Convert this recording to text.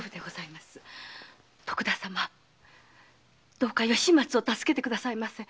どうか吉松を助けてくださいませ。